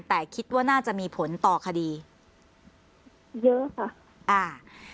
แต่คิดว่าน่าจะมีผลต่อคดีเยอะค่ะอ่า